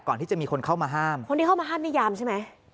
ก่อนที่จะมีคนเข้ามาห้ามคนที่เข้ามาห้ามนิยามใช่ไหม